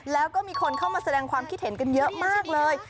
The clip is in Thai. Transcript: แล้วก็มีคนเข้ามาแสดงความคิดเห็นกันเยอะมากเลย